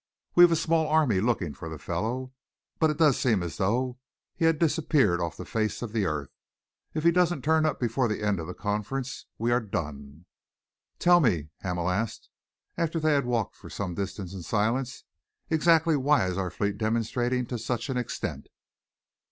We've a small army looking for the fellow, but it does seem as though he had disappeared off the face of the earth. If he doesn't turn up before the end of the Conference, we are done." "Tell me," Hamel asked, after they had walked for some distance in silence, "exactly why is our fleet demonstrating to such an extent?"